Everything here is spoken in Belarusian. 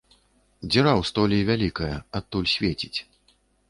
Дзіра ў столі вялікая, адтуль свеціць.